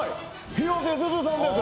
広瀬すずさんです。